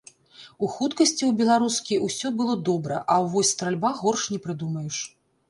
У хуткасці ў беларускі ўсё было добра, а вось стральба горш не прыдумаеш.